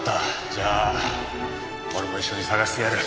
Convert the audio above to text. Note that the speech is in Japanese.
じゃあ俺も一緒に探してやる。